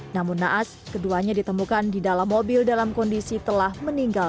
namun naas keduanya ditemukan di dalam mobil dalam kondisi telah meninggal